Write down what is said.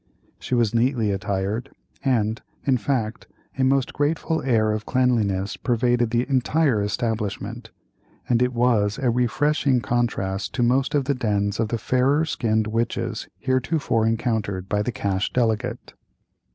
She was neatly attired, and, in fact, a most grateful air of cleanliness pervaded the entire establishment, and it was a refreshing contrast to most of the dens of the fairer skinned witches heretofore encountered by the cash delegate.